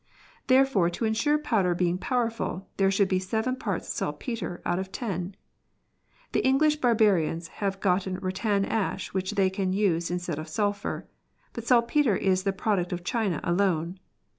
Therefore to ensure powder being powerful, there should be seven parts saltpetre out of ten. The English barbarians have got rattan ash which they can use instead of sulphur, but saltpetre is the product of China alone.